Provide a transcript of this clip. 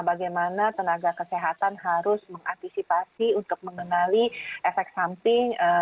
bagaimana tenaga kesehatan harus mengantisipasi untuk mengenali efek samping